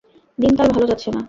দিনকাল ভালো যাচ্ছে না।